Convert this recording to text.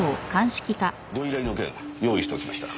ご依頼の件用意しておきました。